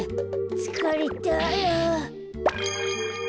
つかれたあ。